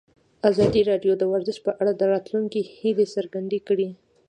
ازادي راډیو د ورزش په اړه د راتلونکي هیلې څرګندې کړې.